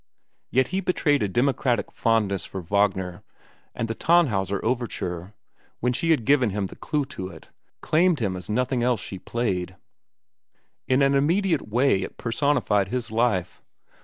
Yet he betrayed a democratic fondness for Wagner, and the "Tannhäuser" overture, when she had given him the clew to it, claimed him as nothing else she played. In an immediate way it personified his life.